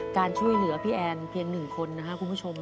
การช่วยเหลือพี่แอนเพียง๑คนนะครับคุณผู้ชม